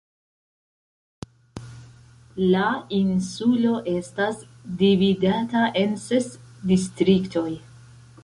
La insulo estas dividata en ses distriktoj.